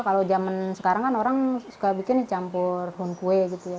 kalau zaman sekarang kan orang suka bikin campur home kue gitu ya